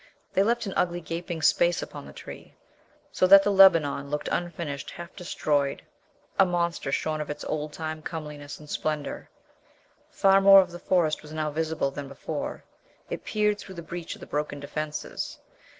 They left an ugly gaping space upon the tree, so that the Lebanon looked unfinished, half destroyed, a monster shorn of its old time comeliness and splendor. Far more of the Forest was now visible than before; it peered through the breach of the broken defenses.